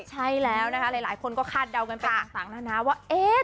ใช่แล้วนะฮะหลายหลายคนก็คาดเดากันไปต่างต่างแล้วนะว่าเอ๊ะ